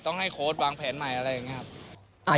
ต้องให้โค้ดวางแผนใหม่อะไรอย่างนี้ครับ